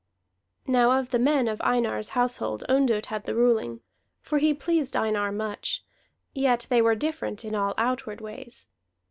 Now of the men of Einar's household Ondott had the ruling, for he pleased Einar much, yet they were different in all outward ways.